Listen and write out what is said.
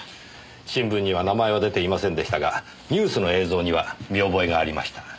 新聞には名前は出ていませんでしたがニュースの映像には見覚えがありました。